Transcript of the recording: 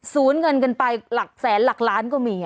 ศูนย์เงินกันไปหลักแสนหลักล้านก็มี